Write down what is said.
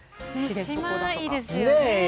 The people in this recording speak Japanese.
島はいいですよね。